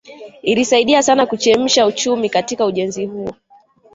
Ilisaidia sana kuchemsha uchumi katika ujenzi huo